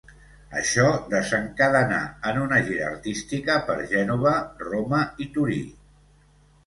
Això desencadenà en una gira artística per Gènova, Roma i Torí.